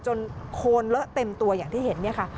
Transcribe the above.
โคนเลอะเต็มตัวอย่างที่เห็นเนี่ยค่ะ